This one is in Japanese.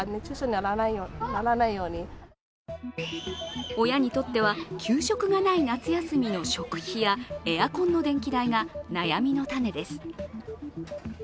ただ親にとっては給食がない夏休みの食費やエアコンの電気代が悩みの種です。